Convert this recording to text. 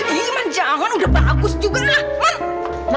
iya man jangan udah bagus juga lah man